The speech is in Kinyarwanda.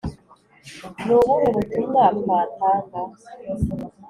ni ubuhe butumwa twatanga